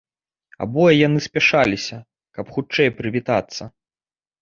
Абое яны спяшаліся, каб хутчэй прывітацца.